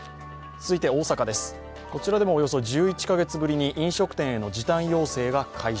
続いて大阪です、こちらでもおよそ１１カ月ぶりに飲食店への時短要請を解除。